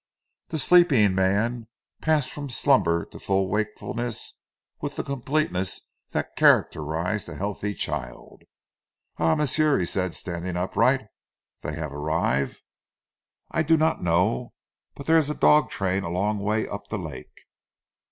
The sleeping man passed from slumber to full wakefulness with the completeness that characterizes a healthy child. "Ah, m'sieu," he said, standing upright. "Dey haf arrive?" "I do not know. But there is a dog train a long way up the lake."